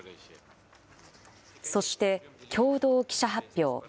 そして、共同記者発表。